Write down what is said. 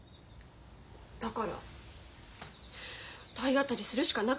だから体当たりするしかなかったんです。